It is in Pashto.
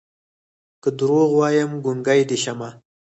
که دروغ وايم ګونګې دې شمه